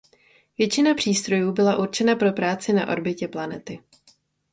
Většina přístrojů byla určena pro práci na orbitě planety.